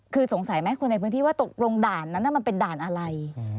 คือสงสัยไหมคนในพื้นที่ว่าตกลงด่านนั้นมันเป็นด่านอะไร